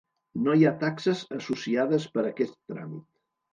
No hi ha taxes associades per aquest tràmit.